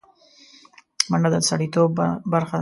منډه د سړيتوب برخه ده